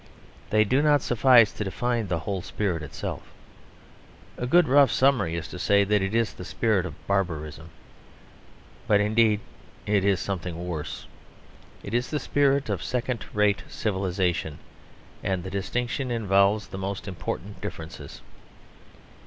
They do not suffice to define the whole spirit itself. A good rough summary is to say that it is the spirit of barbarism; but indeed it is something worse. It is the spirit of second rate civilisation; and the distinction involves the most important differences.